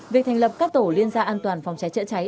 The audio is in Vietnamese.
việc thành lập các tổ liên gia an toàn phòng cháy chữa cháy